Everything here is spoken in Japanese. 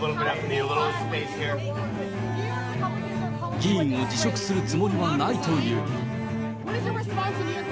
議員を辞職するつもりはないという。